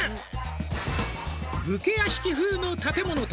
「武家屋敷風の建物と」